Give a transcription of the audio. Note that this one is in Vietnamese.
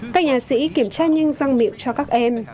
các nhà sĩ kiểm tra nhanh răng miệng cho các em